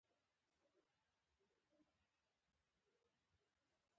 سید خو له صدراعظم سالیزبوري سره لیدلي نه دي.